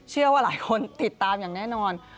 เชื่อว่าหลายคนติดตามอย่างแน่นอน